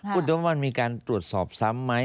ต้องว่ามันมีการตรวจสอบซ้ำไหม